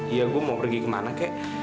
iya gue mau pergi kemana kek